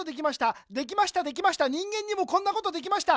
できましたできました人間にもこんなことできました。